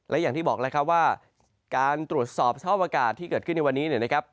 และอย่างที่บอกแล้วครับว่าการตรวจสอบสภาพอากาศที่เกิดขึ้นในวันนี้เนี่ยนะครับ